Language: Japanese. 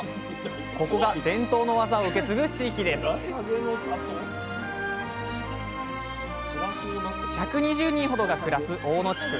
ここが伝統の技を受け継ぐ地域です１２０人ほどが暮らす大野地区。